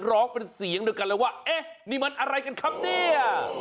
ร้องเป็นเสียงเดียวกันเลยว่าเอ๊ะนี่มันอะไรกันครับเนี่ย